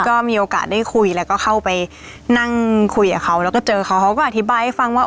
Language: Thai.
ก็มีโอกาสได้คุยแล้วก็เข้าไปนั่งคุยกับเขาแล้วก็เจอเขาเขาก็อธิบายให้ฟังว่า